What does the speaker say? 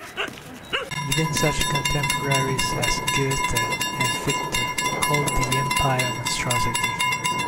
Even such contemporaries as Goethe and Fichte called the Empire a monstrosity.